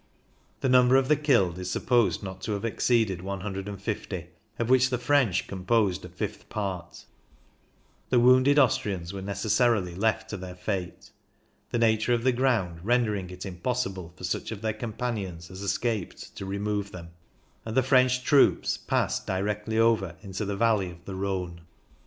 The number of the killed is supposed not to have exceeded 1 50, of which the French composed a fifth part The wounded Austrians were necessarily left to their fate, the nature of the ground rendering it impossible for such of their companions as escaped to remove them, and the French THE GRIMSEL 139 troops passed directly over into the valley of the Rhone."